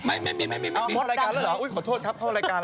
ไม่พอรายการแล้วเหรอขอโทษครับ